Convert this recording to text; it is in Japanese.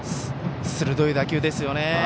鋭い打球ですね。